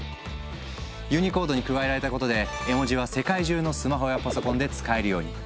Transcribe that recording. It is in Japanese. ユニコードに加えられたことで絵文字は世界中のスマホやパソコンで使えるように。